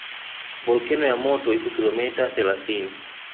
Volkeno ya moto iko kilomita thelathini